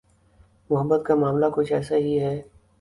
محبت کا معاملہ کچھ ایسا ہی ہے۔